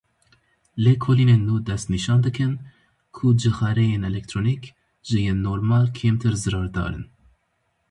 Lêkolînên nû destnîşan dikin ku cixareyên elektronîk ji yên normal kêmtir zirardar in.